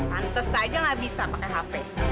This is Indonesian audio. hantes aja nggak bisa pakai hp